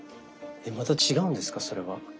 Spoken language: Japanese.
また違うんですかそれは？